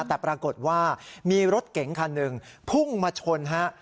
แต่ปรากฏว่ามีรถเก๋งคันหนึ่งพุ่งมาชนฮะ